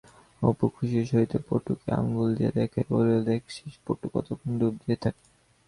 অপু খুশির সহিত পটুকে আঙুল দিয়া দেখাইয়া বলিল, দেখছিস পটু, কতক্ষণ ড়ুব দিয়ে থাকে?